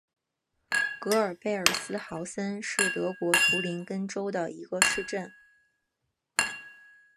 格尔贝尔斯豪森是德国图林根州的一个市镇。